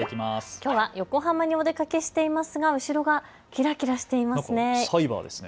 きょうは横浜にお出かけしていますが後ろがきらきらしていますね。